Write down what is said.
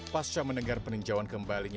pasca menenggar peninjauan kembalinya